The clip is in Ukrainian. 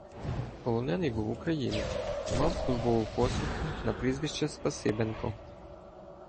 Полонений був українець, мав службову посвідку на прізвище Спаси- бенко.